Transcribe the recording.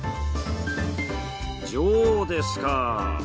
上ですか！